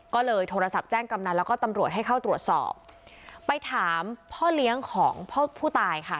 ก็เลยโทรศัพท์แจ้งกำนันแล้วก็ตำรวจให้เข้าตรวจสอบไปถามพ่อเลี้ยงของพ่อผู้ตายค่ะ